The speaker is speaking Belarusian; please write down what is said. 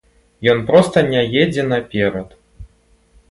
Ён проста не едзе наперад.